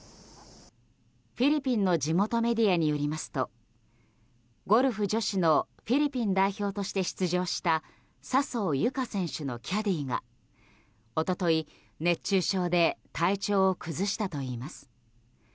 フィリピンの地元メディアによりますとゴルフ女子のフィリピン代表として出場した笹生優花選手のキャディーが一昨日、熱中症で体調を崩したといいます。